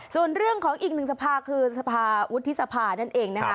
ส่วนเรื่องของอีกหนึ่งสภาคือสภาวุฒิสภานั่นเองนะคะ